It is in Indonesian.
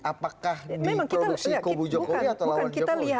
apakah di produksi kobu jokowi atau lawan jokowi